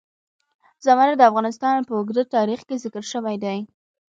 زمرد د افغانستان په اوږده تاریخ کې ذکر شوی دی.